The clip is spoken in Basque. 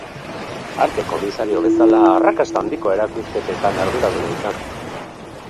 Arte komisario bezala arrakasta handiko erakusketen arduraduna izan da.